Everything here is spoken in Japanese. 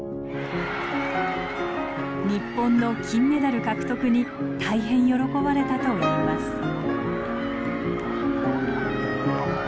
日本の金メダル獲得に大変喜ばれたといいます。